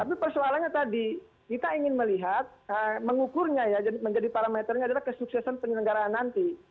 tapi persoalannya tadi kita ingin melihat mengukurnya ya menjadi parameternya adalah kesuksesan penyelenggaraan nanti